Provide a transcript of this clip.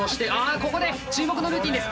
ここで注目のルーティーンです。